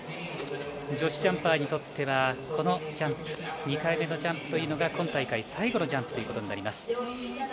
女子ジャンパーにとってはこのジャンプ、２回目のジャンプが今大会最後のジャンプとなります。